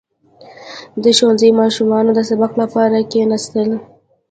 • د ښوونځي ماشومانو د سبق لپاره کښېناستل.